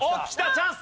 チャンス。